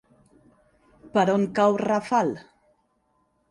Per on cau Rafal?